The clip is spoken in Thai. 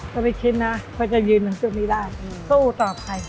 ก็ไม่คิดนะว่าจะยืนตรงจุดนี้ได้สู้ต่อไป